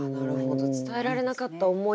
「伝えられなかった思い」